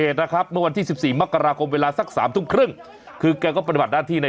จ้าจ้าจ้าจ้าจ้า